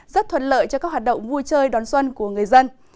rất thuận lợi cho các hoạt động vui chơi đón xuân của người dân